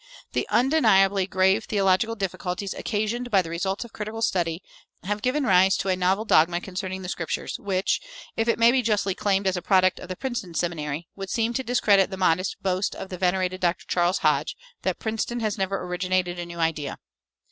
The undeniably grave theological difficulties occasioned by the results of critical study have given rise to a novel dogma concerning the Scriptures, which, if it may justly be claimed as a product of the Princeton Seminary, would seem to discredit the modest boast of the venerated Dr. Charles Hodge, that "Princeton has never originated a new idea."